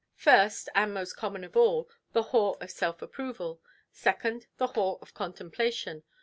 First, and most common of all, the haw of self–approval. Second, the haw of contemplation.